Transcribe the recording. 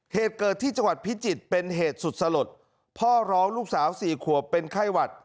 เหตุเกิดที่จังหวัดพิจิตรเป็นเหตุสุดสลดพ่อร้องลูกสาวสี่ขวบเป็นไข้หวัด